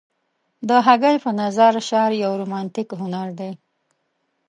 د هګل په نظر شعر يو رومانتيک هنر دى.